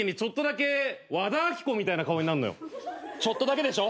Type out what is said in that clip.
ちょっとだけでしょ？